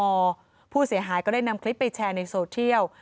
การพูดเสียหายก็นำคลิปไปแชร์ในโซเทียล